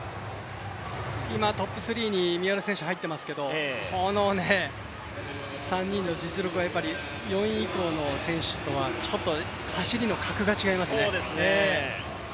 今、トップ３に三浦選手入ってますけどこの３人の実力はやっぱり４位以降の選手とは走りの格が違いますね。